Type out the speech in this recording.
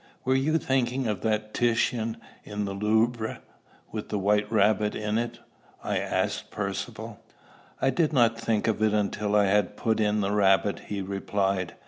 "Were you thinking of that Titian in the Louvre, with the white rabbit in it?" I asked Percivale. "I did not think of it until after I had put in the rabbit," he replied.